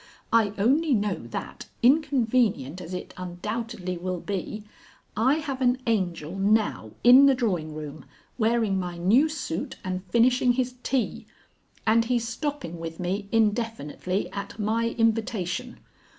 I only know that inconvenient as it undoubtedly will be I have an angel now in the drawing room, wearing my new suit and finishing his tea. And he's stopping with me, indefinitely, at my invitation.